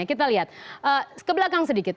kita lihat kebelakang sedikit